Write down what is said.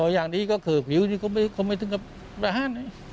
อย่างนี้ก็คือผิวที่เขาไม่ต้องกับพระธาน